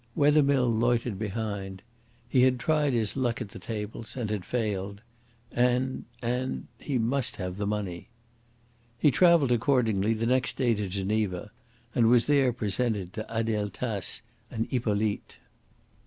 Wethermill loitered behind. He had tried his luck at the tables and had failed. And and he must have the money. He travelled, accordingly, the next day to Geneva, and was there presented to Adele Tace and Hippolyte.